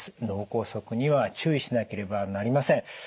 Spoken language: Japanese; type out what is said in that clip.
脳梗塞には注意しなければなりません。